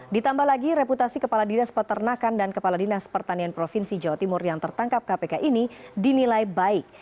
ditambah lagi reputasi kepala dinas peternakan dan kepala dinas pertanian provinsi jawa timur yang tertangkap kpk ini dinilai baik